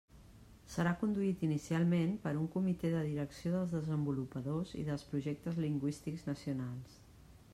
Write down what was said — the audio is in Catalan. Serà conduït inicialment per un Comitè de Direcció dels desenvolupadors i dels projectes lingüístics nacionals.